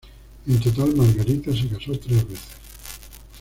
En total, Margarita se casó tres veces.